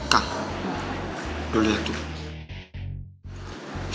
kak udah liat tuh